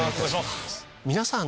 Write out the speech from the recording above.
皆さん。